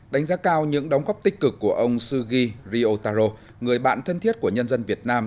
đánh giá cao những đóng góp tích cực của ông sugi ryotaro người bạn thân thiết của nhân dân việt nam